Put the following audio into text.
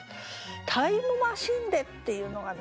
「タイムマシンで」っていうのがね